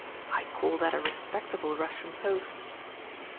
I call that a respectable Russian post!